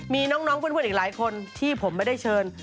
มีน้องเพื่อนอีกหลายคนที่ผมไม่ได้เชิญ